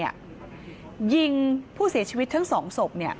ยิงผู้เสียชีวิตทั้ง๒ศพ